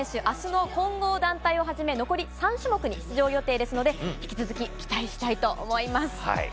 明日の混合団体をはじめ残り３種目に出場予定ですので引き続き期待したいと思います。